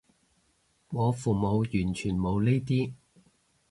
我父母完全冇呢啲